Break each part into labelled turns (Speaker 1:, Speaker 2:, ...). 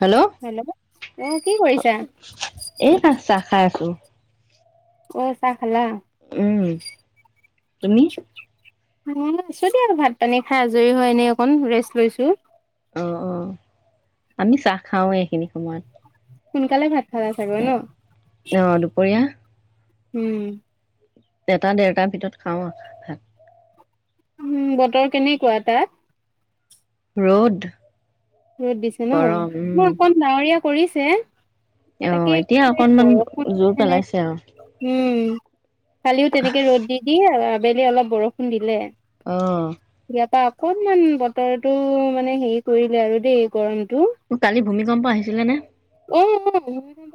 Speaker 1: Hello এ না চাহ খাই আছো।
Speaker 2: অও চাহ খালা?
Speaker 1: উম তুমি
Speaker 2: মই আছো দিয়া ভাত পানী খাই আজৰি হয় এনে অকণ ৰেষ্ট লৈছো
Speaker 1: অ অ আমি চাহ খাওঁয়ে এইখিনি সময়ত
Speaker 2: সোনকালে ভাত খাল চাগে ন উম
Speaker 1: এটা ডেৰটাৰ ভিতৰত খাওঁ আৰু ভাত
Speaker 2: উ বতৰ কেনেকুৱা তাত
Speaker 1: ৰ'দ
Speaker 2: ৰ'দ দিছে ন মই অকন ডাৱৰীয়া কৰিছে তাকে কি বৰষুণ ফুঠিলে সেনো উম কালিও তেনেকে ৰ'দ দি দিয়ে আবেলি অলপ বৰষুণ দিলে
Speaker 1: আহ
Speaker 2: তাৰ পৰা অকণমান বতৰো মানে হেৰি কৰিলে আৰু দেই গৰম
Speaker 1: তোৰ কালি ভূমিকম্প আহিছিলে নে
Speaker 2: উ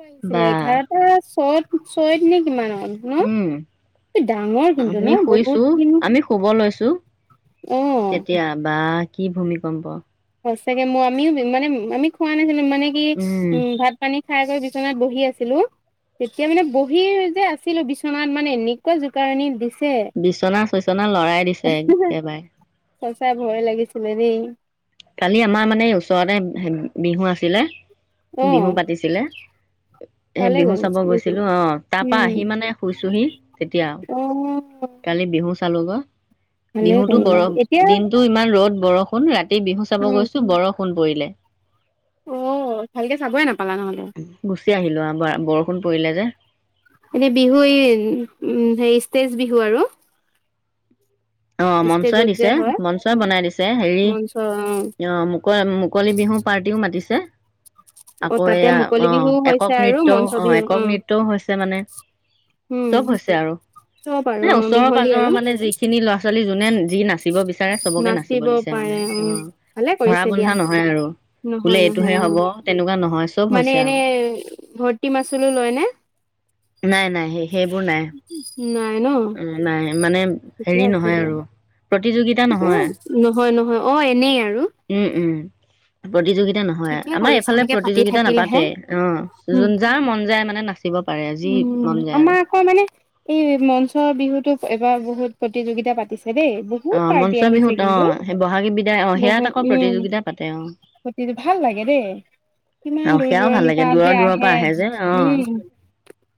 Speaker 2: আহিছিলে এঘাৰটা ছত চৰিত নে কিমানত
Speaker 1: উম আমি শুইছো আমি শুব লৈছো তেতিয়া বা কি ভূমিকম্প
Speaker 2: সঁচাকে মই আমিও মানে আমি খোৱা নাছিলো ইমান মানে কি উম ভাত পানী খাই বৈ বিচনাত বহি আছিলো তেতিয়া মানে বহি যে আছিলো বিচনাত মানে এনেকুৱা জোকাৰণি দিছিল
Speaker 1: বিছনা চিবনা লৰাই দিছে একেবাৰে
Speaker 2: সঁচাই ভয় লাগিছিলে দেই
Speaker 1: কালি আমাৰ মানে ওচৰতে হ বিহু আছিলে বিহু পাতিছিলে সেই বিহু চাব গৈছিলো অ তাৰ পৰাা আহি মানে শুইছোহি তেতিয়া কালি বিহু চালোঁগৈ বিহুতো গৰম দিনতটো ইমান ৰ'দ বৰষুণ ৰাতি বিহু চাব গৈছো বৰষুণ পৰিলে
Speaker 2: অ ভালকে চাবয়ে নাপায় চাবা নহলে এনে বিহু ই হেৰি শেষ বিহু আৰু
Speaker 1: অ মঞ্চই দিছে মঞ্চই বনাই দিছে হেৰি অ মুকলি মুকলি বিহু পাৰ্টিও মাতিছে যে আকৌ এয়া অ একক নৃত্যও অ একক নৃত্যও হৈছে মানে চব হৈছে আৰু মানে ওচৰৰ পাজৰৰ মানে যিখিনি ল'ৰা ছোৱালী যোনে নিচিনা
Speaker 2: নাচিব পাৰে উ ভালে কৰিছে দিয়া নহয় নহয় অ মানে এনে ভৰ্তি মাচুলো লয় নে
Speaker 1: নাই নাই সেই
Speaker 2: নাই ন
Speaker 1: মানে হেৰি ন হয় আৰু
Speaker 2: নহয় নহয় অ এনেই আৰু
Speaker 1: প্ৰতিযোগী এয়া নহয় আমাৰ এইফালে প্ৰতিযোগিতা নাপাতে অ যোন যাৰ মন যায় মানে নাচিব
Speaker 2: উম আমাৰ আকৌ মানে এই মঞ্চৰ বিহুতটো এবাৰ বহুত প্ৰতিযোগিতা পাতিছে দেই বহুত পাৰ্টি আহিছে কিন্তু বহুত উম স ভাল লাগে দেই কিমান দূৰ দূৰণিৰ পৰাা যে আহে উম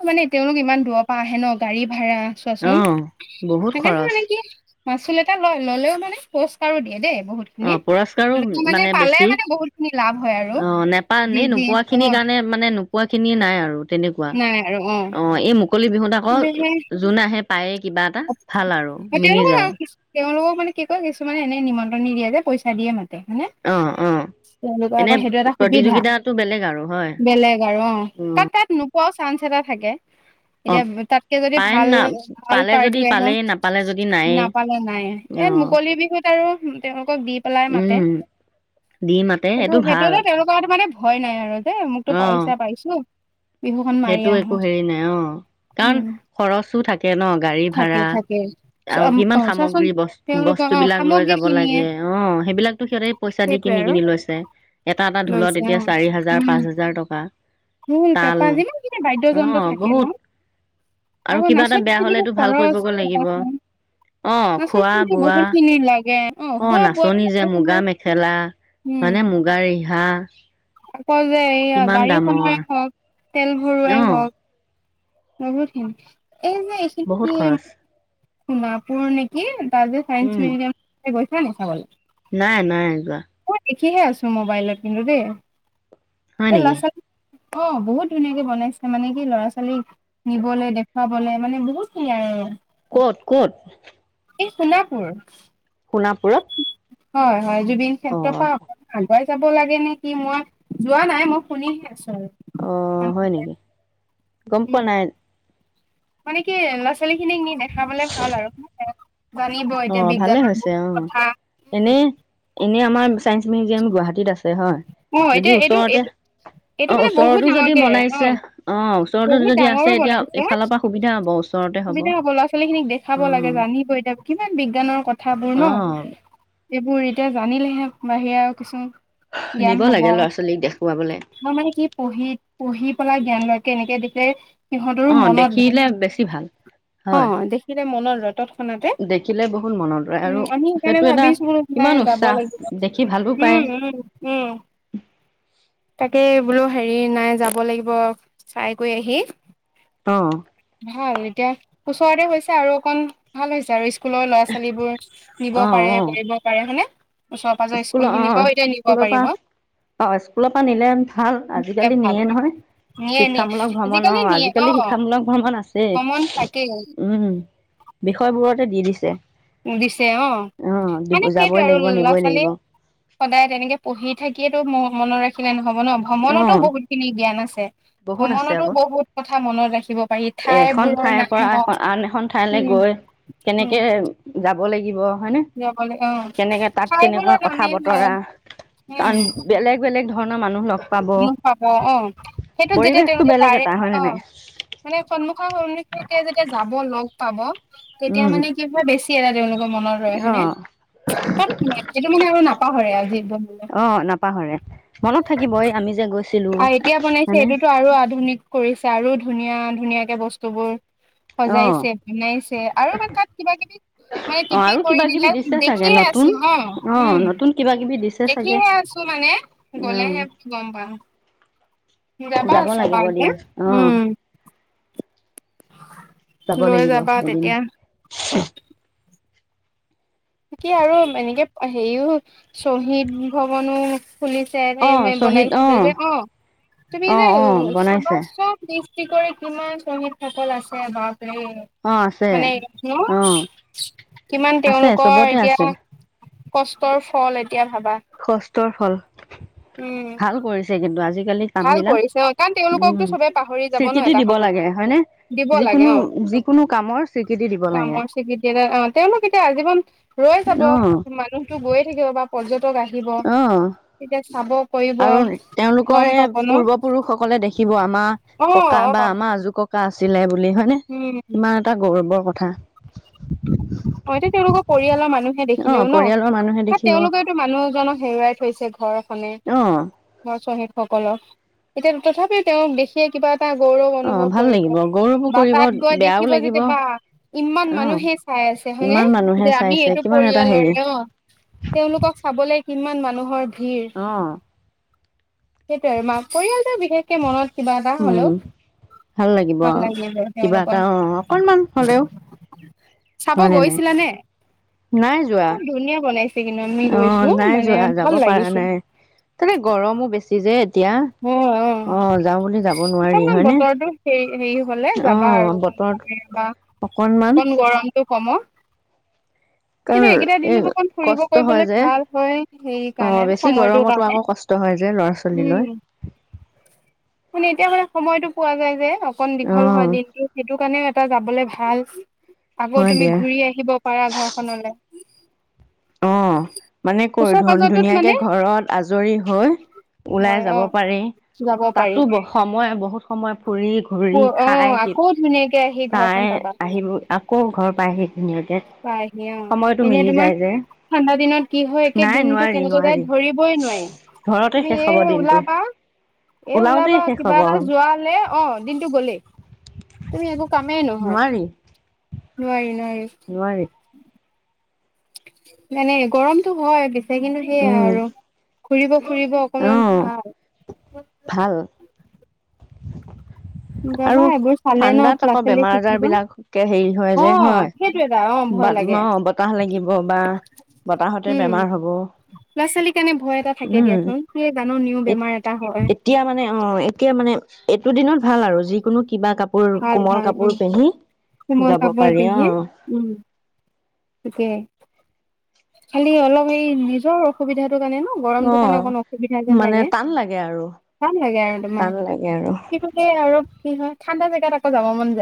Speaker 2: মানে তেওঁলোক ইমান দূৰ পৰা আহে ন গাড়ী ভাড়া চোৱাচোন সনেক ধ মানে কি মাচুল এটা লয় ল'লেও মানে পুৰস্কাৰো দিয়ে দেই বহুত খিনি মানে পালে মানে বহুত খিনি লাভ হয় আৰু যি যি অ
Speaker 1: পোৱা খিনিয়ি নাই আৰু তেনেকুৱা অ এই মুকলি বিহুত আকৌ যোনোন আহে পায় কিবা এটা ভাল আৰু মিলি যায়
Speaker 2: মানে কি কয় কিছুমানে এনে নিমন্ত্ৰণ দিয়া যে পইচা দিয়ে মানে তেওঁলোকৰ আকৌ সেইটো এটা সুবিধা বেলেগ আৰু অ তাত তাত পোৱাও চান্স এটা থাকে এতিয়া তাতকে যদি ভাল ভাল পাৰ্টি আহে নাপালে নাই ইয়াত মুকলি বিহুত আৰু তেওঁলোকক বি পেলাই মাতে সেইটো সেইটোতে তেওঁলোকৰ মানে হয় নাই আৰু
Speaker 1: অ সেইটো একো হেৰি নাই অ কাৰণ খৰচো থাকে ন গাড়ী ভাড়া আৰু কিমান সামগ্ৰী বস্তু বস্তু বিলাক লৈ যাব লাগে অ সেই বিলাক সিহঁতে পইচা দি কিনি কিনি লৈছে এটা এটা ঢোলত এতিয়া চাৰি হাজাৰ
Speaker 2: ঢোল পেঁপা যিমানখিনি বাদ্যযন্ত্ৰ থাকে ন আকৌ নাচনি যি খিনি খৰচ স ন
Speaker 1: অ খোৱা বোৱা অ নাচনী যে মুগা মেখেলা মানে মুগা ৰিহা হা
Speaker 2: আকৌ যে এইয়া গাড়ীখনেৰে হওঁক তেল ভৰোৱাই হওঁক ৰব ঠম এই যে এই খিনি সোণাপুৰ নেকি তাইযে চাইন্স মেডিয়াম গৈছা নে চাবলে
Speaker 1: নাই নাই যোৱা
Speaker 2: দেখিহে আছো মোবাইলত কিন্তু দেই এই ল'ৰা ছোৱালী অ বহুত ধুনীয়াকে বনাইছে মানে কি ল'ৰা ছোৱালীক নিবলে দেখুৱাবলে মানে বহুতখিনি আৰু
Speaker 1: ক'ত ক'ত
Speaker 2: এই সোণাপুৰ
Speaker 1: সোণাপুৰত
Speaker 2: হয় হয় জুবিন ক্ষেত্ৰ পা অকণমান আগুৱাই যাব লাগে নে কি মই যোৱা নাই মই শুনিহে আছোঁ
Speaker 1: অঁ হয় নেকি গম পোৱা নাই
Speaker 2: মানে কি ল'ৰা ছোৱালী খিনিক নি দেখাবলে ভাল আৰু জানিব এতিয়া বিজ্ঞানৰ বহুত কথা উ
Speaker 1: এনে আমাৰ চাইনচ মেডিয়াম গুৱাহাটীত আছে হয় যদি ওচৰতে অ ওচৰতো যদি বনাইছে অ ওচৰতো যদি আছে এতিয়া এইফালৰ পৰা সুবিধা হ'ব ওচৰতে হ'ব উম
Speaker 2: কিমান বিজ্ঞানৰ কথাবোৰ ন এইবোৰ এতিয়া জানিলেহে বাহিৰা আৰু কিছুমান জ্ঞান হব তই মানে কি পঢ়ি পঢ়ি পেলাই জ্ঞান লয় কেনেকে দিলে সিহঁতৰো মনত অ দেখিলে মনত ত
Speaker 1: দেখিলে বহুত মনত ৰয় আৰু সেইটো এটা কিমান উৎসাহ দেখি
Speaker 2: উম উম উম তাকে বোলো হেৰি নাই যাব লাগিব চাই গৈ আহি
Speaker 1: অ
Speaker 2: ভাল এতিয়া ওচৰতে হৈছে আৰু অকন ভাল হৈছে আৰু স স্কুলৰ ল'ৰা ছোৱালীবোৰ নিব পাৰে কৰিব পাৰে হয়নে ওচৰে পাঁজৰে স্কুল খিনিৰ পৰা এতিয়া নিব পাৰিব
Speaker 1: স্কুলৰ পৰা নিলে ভাল আজিকালি নিয়ে নহয় শিক্ষামূলক ভ্ৰমণ অ আজিকালি শিক্ষামূলক ভ্ৰমণ আছে উম। বিষয়বোৰতে দি দিছে।
Speaker 2: দিছে অ মানে সেইটোৱে আৰু ল'ৰা ছোৱালী সদায় তেনেকে পঢ়ি থাকিয়েতটো ম মনত ৰাখিলে নহয়, হ'ব ন ভ্ৰমণতো বহুত খিনি জ্ঞান আছে ভ্ৰমণতো বহুত কথা মনত ৰাখিব পাৰি ঠাইবোৰৰ নাম হওক উম উম
Speaker 1: খাব লাগিব। হয় ন কেনেকে তাত কেনেকুৱা কথা বতৰা কাৰণ বেলেগ বেলেগ। ধৰণৰ মানুহ লগ।
Speaker 2: সন্মুখত অ সেইটোত যেতিয়া তেওঁলোকে দাৰে অ মানে সন্মুখত সন্মখি যেতিয়া যাব লগ পাব। তেতিয়া মানে কি হয় বেছি। কি লাগে তোৰমনৰ দৰে হয়নে ঠেইট সেইটো মানে আৰু নাপাহৰে আজি একদম আৰু এতিয়া বনাইছে এইটোতো আৰু আধুনিক। কৰিছে আৰু ধুনীয়া ধুনীয়াকে বস্তুবোৰ। সজাইছে বনাইছে আৰু মান তাত কিবা কিবি মানে টিপি কৰি দিলে দেখিয়ে আছো অ উম দেখিহে আছো মানে গলেহে। যাবাৰ আছ বে উম।
Speaker 1: যাব লাগিব এদিন।
Speaker 2: কি আৰু এনেকে হেৰিও শ্বহীদ ভৱননো ফুলিছে বনাইছিলে যে অ তুমি যে চবা চব। কি কৰে কিমান শ্বহীদসকল আছে বা। উ মানে কিষ মােন তেওঁক
Speaker 1: চবতে আছে।
Speaker 2: কষ্টৰ ফল এতিয়া।
Speaker 1: সষ্টৰ ফল। ভাল কৰিছে কি। কিন্তুু আজি
Speaker 2: ভাল কৰিছে অ কাৰণ তেওঁলোককো চবে পাহৰি যাব ভাল কৰিছে ন এটা সময় দিব লাগে অ কামৰ স্বীকৃতি এটা অ তেওঁলোক এতিয়া আজীৱন ৰৈ যাব মানুহতটো গৈয়ে থাকিব বা পৰ্যটন আহিব তেতিয়া। চাব
Speaker 1: আৰু তেওঁলোকৰে পূৰ্বপুৰুষসকলে দেখিব আমাৰ ককা বা আমাৰ আজো ককা আছিলে বুলি হয়নে কিমান এটা গৰ্ব কথা
Speaker 2: হইটো তেওঁলোকৰ পৰিয়ালৰ মানুহে দেখিলেও ন বা তেওঁলোকেওতো মানুহজনক হেৰুৱাই থৈছে ঘৰ শুনে সকলক এতিয়া তথাপিও তেওঁক দেখিয়ে কিবা এটা গৌৰৱ অনুভৱ কৰিব বা তাত গৈ দেখিব যেতিয়া বা ইমান মানুহেই চাই আছে হয়নে যে আমি এইটো পৰিয়ালৰ অ তেওঁলোকক চাবলে কি কিমান মানুহৰ ভিৰ সেইটো আৰু মাক পৰিয়াল বিশেষকে মনত কিবা এটা হলেও ভাল লাগিল যে তেওঁলোকৰ চাব গৈছিলা নে বহুত ধুনীয়া বনাইছিল
Speaker 1: অ নাই যোৱা যাব পাৰা নাই তাতে গৰমো বেছি জে এতিয়া অ যাওঁ বুলি যাব নোৱাৰি হয়নে
Speaker 2: হেৰি হলে যাবা আৰু অকণ কাম বা অকণ গৰমতটো কমক কিন্তু এইকেইটা দিনতো অকণ ফুৰিব কৰিবলে ভাল হয় সেই কাৰণে সময়টোৰ কাৰণে উম মানে এতিয়া মানে সময়টো পোৱা যায় যে অকন দীঘল হয় দিনটো সেইটো কাৰণেও এটা যাবলৈ ভাল আকৌ তুমি ঘূৰি আহিব পাৰা ঘৰখনলে
Speaker 1: অ মানে ক ধুন ধুনীয়াকে ঘৰত আজৰি হৈ ওলাই যাব পাৰি তাতো ব সময় হব বহুত সময় ফুৰি ঘুৰি খাই চাই আহিব আকৌ ঘৰ পাইহি ধুনীয়াকে সময়টো মিলি যায় যে
Speaker 2: ঠাণ্ডা দিনত কি হয়ে দিনটো কেনেকে যাই ধৰিবই নোৱাৰি তুমি এ ওলাবা এ ওলাবা কিবা এটা যোৱ হলে অ দিনটো গলেই তুমি একো কামেই নহয় নোৱাৰি ন
Speaker 1: নোৱাৰি
Speaker 2: মানে গৰমতটো হয় বেছি কিন্তু সেইয়াাই আৰু ফুৰিব ফুৰিব অকমান ভাল
Speaker 1: [unintelligible]
Speaker 2: যাবা এইবোৰ চালে ন ল'ৰা ছোৱালীয়ে শিকিব আহ সেইটো এটা অ ভয় লাগে উম লৰা ছোৱালীৰ কাৰণে ভয় এটা থাকে দিয়াচোন সে জানো নিও বেমাৰ এটা হয়
Speaker 1: মানে এইটো দিনত ভাল আৰু যিকোনো কিবা কাপোৰ কোমল কাপোৰ পিন্ধি
Speaker 2: কোমল কাপোৰ পিন্ধি উম তাকে খালি অলপ সেই নিজৰ অসুবিধা কাৰণে ন গৰমটো কাৰণে অকণ অসুবিধা যেন লাগে ভাল লাগে আৰু তোমাৰ সেইটো আৰু কি হয় ঠাণ্ড জগাত আকৌ যাব মন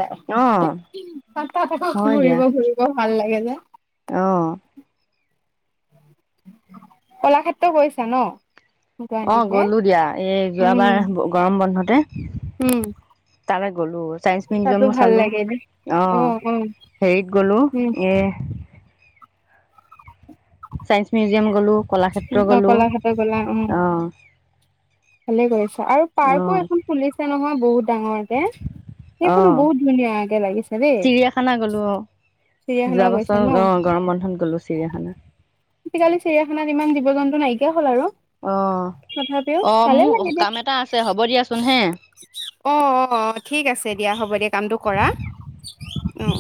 Speaker 2: ফুৰিব ফুৰিব ভাল লাগে যে কলাক্ষেত্ৰ গৈছা ন
Speaker 1: অ গলো দিয়া এই যোৱাবাৰ গৰম বন্ধতে তাৰ গ'লোঁ ছায়ন্ঞ্চ মিউজিয়ামো চালোঁ অঁ হেৰিত গ'লোঁ এই চাইন্স মিউজিয়াম গ'লো
Speaker 2: অ কলাক্ষেত্ৰ গলা অ ভালে কৰিছ আৰু পাৰ্কো এখন খুলিছে নহয় বহুত ডাঙৰ
Speaker 1: আহ চিৰিয়াখানা গ'লো আহ যোৱা বছৰ আহ গৰম বন্ধত গ'লো চিৰিয়াখানা
Speaker 2: আজিকালি চিৰিয়াখানাত ইমান জীৱ জন্তু নাইকিয়া হ'ল আৰু তথাপিও ভালে লাগে দে অ অ ঠিক আছে দিয়া হ'ব দিয়া কামটো কৰা উম